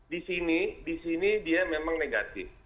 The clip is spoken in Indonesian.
jadi di sini dia memang negatif